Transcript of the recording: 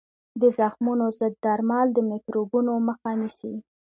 د زخمونو ضد درمل د میکروبونو مخه نیسي.